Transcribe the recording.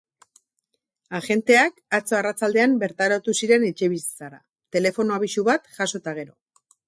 Agenteak atzo arratsaldean bertaratu ziren etxebizitzara, telefono abisu bat jaso eta gero.